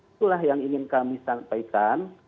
itulah yang ingin kami sampaikan